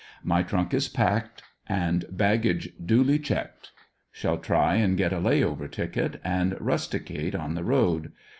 My trunk is packed and baggage duly checked; shall try and get a "lay over" ticket, and rusticate on the road.